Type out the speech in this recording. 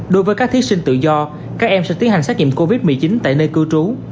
đối với các thí sinh tự do các em sẽ tiến hành xét nghiệm covid một mươi chín tại nơi cư trú